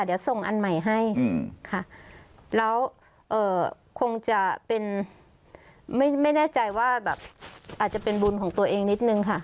เดี๋ยวส่งอันใหม่ให้ค่ะแล้วคงจะเป็นไม่แน่ใจว่าแบบอาจจะเป็นบุญของตัวเองนิดนึงค่ะ